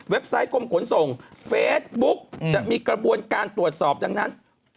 ไซต์กรมขนส่งเฟซบุ๊กจะมีกระบวนการตรวจสอบดังนั้น